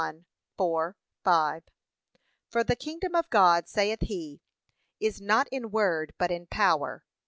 1:4, 5) 'For the kingdom of God, saith he, 'is not in word, but in power.'